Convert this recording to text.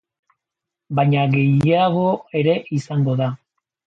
Baina gehiago ere izango da.